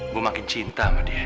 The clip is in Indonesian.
gue makin cinta sama dia